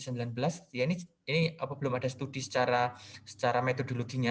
ya ini belum ada studi secara metodologinya